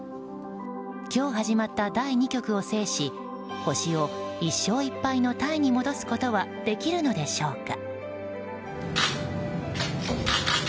今日始まった第２局を制し星を１勝１敗のタイに戻すことはできるのでしょうか。